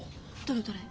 どれどれ？